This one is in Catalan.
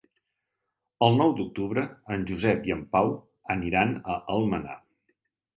El nou d'octubre en Josep i en Pau aniran a Almenar.